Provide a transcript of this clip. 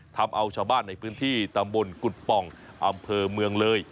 ทำเอาชาวบ้านในพื้นที่ตำบลกุฎป่องอำเภอเมืองเลย